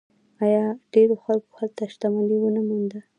آیا ډیرو خلکو هلته شتمني ونه موندله؟